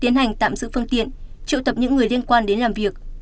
tiến hành tạm giữ phương tiện triệu tập những người liên quan đến làm việc